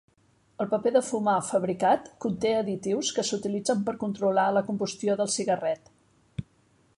El paper de fumar fabricat conté additius que s'utilitzen per controlar la combustió del cigarret.